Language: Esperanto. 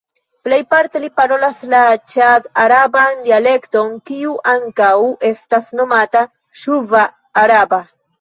Plejparte ili parolas la ĉad-araban dialekton, kiu ankaŭ estas nomata "ŝuva-araba".